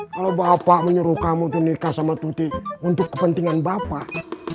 kalau bapak menyuruh kamu untuk nikah sama tuti untuk kepentingan bapak